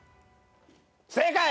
正解！